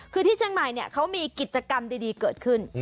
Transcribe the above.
คือที่เชียงใหม่เนี่ยเขามีกิจกรรมดีเกิดขึ้น